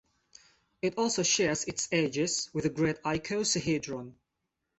It also shares its edges with the great icosahedron.